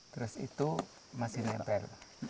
terus itu masih nempel